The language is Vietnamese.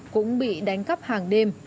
cũng bị đánh cắp hàng đêm